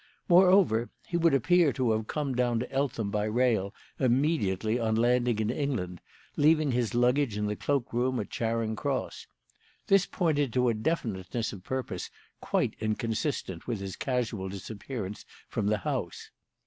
Moreover, he would appear to have come down to Eltham by rail immediately on landing in England, leaving his luggage in the cloak room at Charing Cross. This pointed to a definiteness of purpose quite inconsistent with his casual disappearance from the house.